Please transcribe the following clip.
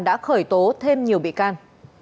đã khởi tố thêm nhiều bị can